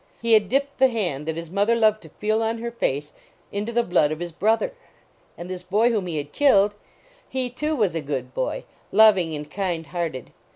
He had dipped the hand that his mother loved to feel on her face into the blood of his brother ! And this boy whom he had killed he, too, 21* LAUREL AND CYPRESS was a good boy, loving and kind hearted.